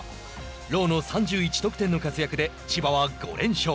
ローの３１得点の活躍で千葉は５連勝。